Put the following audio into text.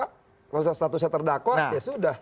kalau sudah statusnya terdakwa ya sudah